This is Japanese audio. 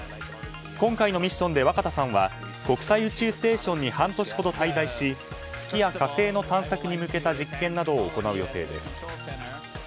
今回のミッションで若田さんは国際宇宙ステーションに半年ほど滞在し月や火星の探索に向けた実験などを行う予定です。